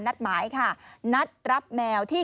นัดหมายค่ะนัดรับแมวที่